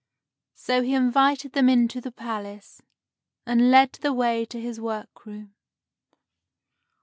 So he invited them into the palace, and led the way to his workroom.